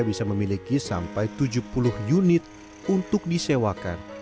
bisa memiliki sampai tujuh puluh unit untuk disewakan